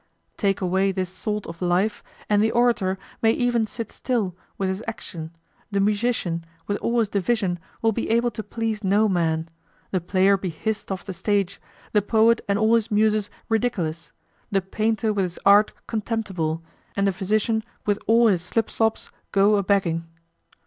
Take away this salt of life, and the orator may even sit still with his action, the musician with all his division will be able to please no man, the player be hissed off the stage, the poet and all his Muses ridiculous, the painter with his art contemptible, and the physician with all his slip slops go a begging.